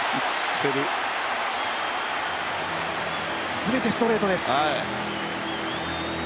全てストレートです。